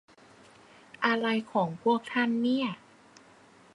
อะไรของพวกท่านเนี่ย